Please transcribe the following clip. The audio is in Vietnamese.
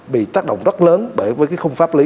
bị tác động rất lớn bởi với cái khung pháp lý